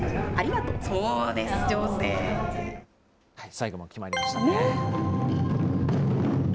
最後も決まりましたね。